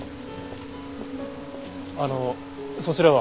あのそちらは？